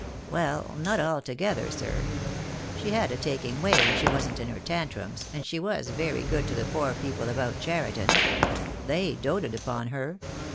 "Well, not altogether, sir. She had a taking way when she wasn't in her tantrums, and she was very good to the poor people about Cheriton. They doated upon her.